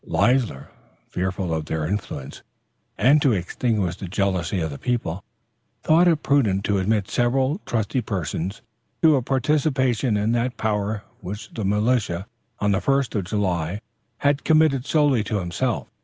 Leisler, fearful of their influence, and to extinguish the jealousy of the people, thought it prudent to admit several trusty persons to a participation in that power which the militia, on the first of July, had committed solely to himself.